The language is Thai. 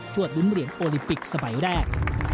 วดลุ้นเหรียญโอลิมปิกสมัยแรก